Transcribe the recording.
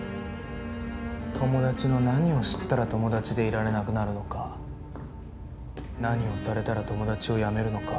友達の何を知ったら友達でいられなくなるのか何をされたら友達をやめるのか。